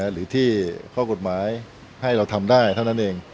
หรือที่ข้อกฎหมายให้เราทำได้เท่านั้นเอง